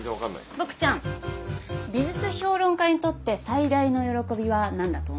ボクちゃん美術評論家にとって最大の喜びは何だと思う？